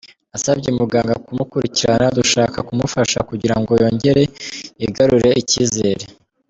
Nasabye muganga kumukurikirana, dushaka kumufasha kugira ngo yongere yigarurire icyizere.